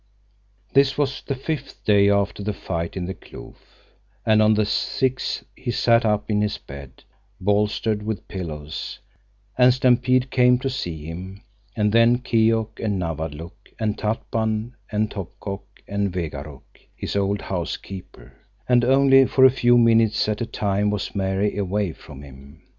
This was the fifth day after the fight in the kloof; and on the sixth he sat up in his bed, bolstered with pillows, and Stampede came to see him, and then Keok and Nawadlook and Tatpan and Topkok and Wegaruk, his old housekeeper, and only for a few minutes at a time was Mary away from him.